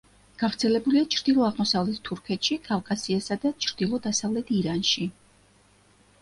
გავრცელებულია ჩრდილო-აღმოსავლეთ თურქეთში, კავკასიასა და ჩრდილო-დასავლეთ ირანში.